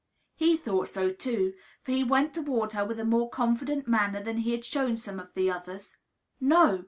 He thought so, too; for he went toward her with a more confident manner than he had shown to some of the others. No!